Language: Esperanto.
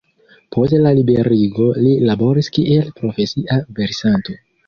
Post la liberiĝo li laboris kiel profesia versanto.